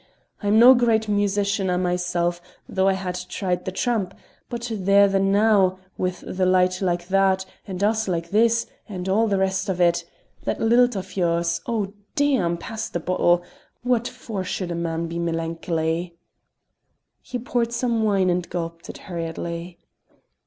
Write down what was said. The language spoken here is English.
I'm no great musicianer myself, though I have tried the trump; but there the now with the night like that, and us like this, and all the rest of it that lilt of yours oh, damn! pass the bottle; what for should a man be melancholy?" He poured some wine and gulped it hurriedly.